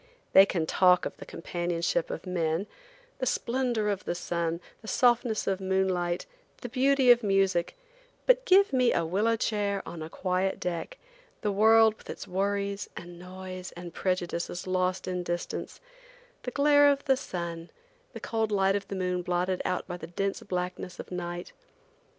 They can talk of the companionship of men, the splendor of the sun, the softness of moonlight, the beauty of music, but give me a willow chair on a quiet deck, the world with its worries and noise and prejudices lost in distance, the glare of the sun, the cold light of the moon blotted out by the dense blackness of night.